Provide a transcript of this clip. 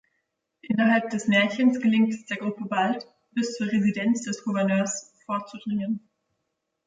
Innerhalb des Märchens gelingt es der Gruppe bald, bis zur Residenz des Gouverneurs vorzudringen.